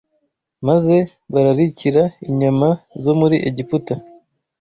maze bararikira inyama zo muri Egiputa